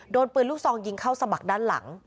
โดนปืนลูกซองยิงเข้าสมัครด้านหลัง